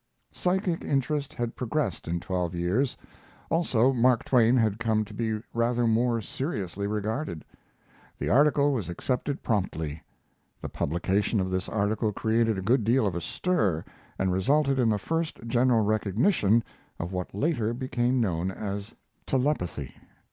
Psychic interest had progressed in twelve years; also Mark Twain had come to be rather more seriously regarded. The article was accepted promptly! [The publication of this article created a good deal of a stir and resulted in the first general recognition of what later became known as Telepathy.